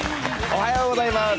おはようございます。